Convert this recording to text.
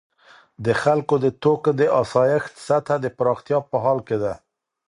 د خلکو د توکو د آسایښت سطح د پراختیا په حال کې ده.